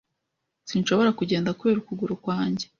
Sinshobora kugenda kubera ukuguru kwanjye.